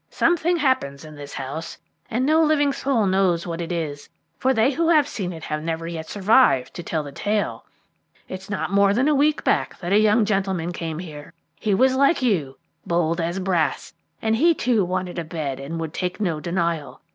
"Something happens in this house, and no living soul knows what it is, for they who have seen it have never yet survived to tell the tale. It's not more than a week back that a young gentleman came here. He was like you, bold as brass, and he too wanted a bed, and would take no denial.